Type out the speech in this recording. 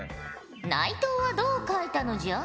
内藤はどう描いたのじゃ？